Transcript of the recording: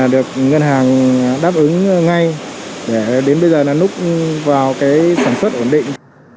được ngân hàng đáp ứng ngay để đến bây giờ núp vào sản xuất ổn định